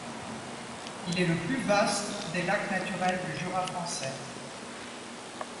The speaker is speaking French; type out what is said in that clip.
Il est le plus vaste des lacs naturels du Jura français.